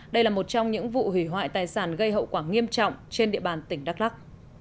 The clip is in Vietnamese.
đây là một trong những vụ hủy hoại tài sản gây hậu quả nghiêm trọng trên địa bàn tỉnh đắk lắc